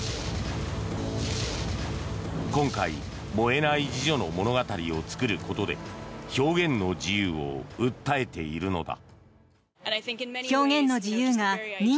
今回、燃えない「侍女の物語」を作ることで表現の自由を訴えているのだ。